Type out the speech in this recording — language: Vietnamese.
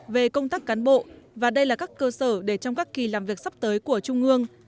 về công tác cán bộ và đây là các cơ sở để trong các kỳ làm việc sắp tới của trung ương